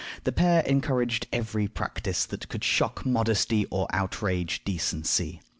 The pair encouraged every practice that could shock modesty or outrage decency.